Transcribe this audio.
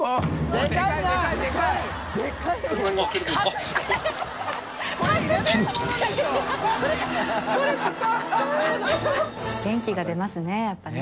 山之内）元気が出ますねやっぱりね。